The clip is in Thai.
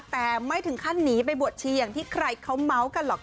แต่ไม่ถึงขั้นหนีไปบวชชีอย่างที่ใครเขาเมาส์กันหรอก